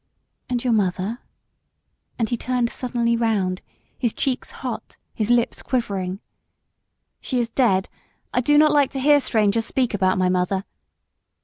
"And your mother?" And he turned suddenly round; his cheeks hot, his lips quivering: "She is dead. I do not like to hear strangers speak about my mother."